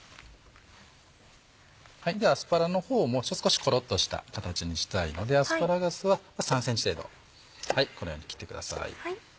ではアスパラの方ももう少しコロっとした形にしたいのでアスパラガスは３ｃｍ程度このように切ってください。